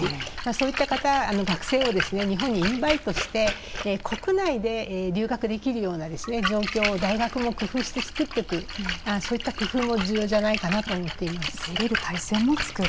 そういった方、学生を日本にインバイトして国内で留学できるような状況を大学も工夫して作っていく、そういった工夫も重要じゃないかなと思います。